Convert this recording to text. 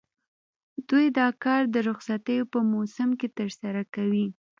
دوی دا کار د رخصتیو په موسم کې ترسره کوي